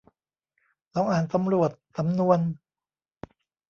ลองอ่านสำรวจสำนวน